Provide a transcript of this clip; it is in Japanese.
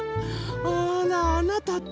あらあなたったら。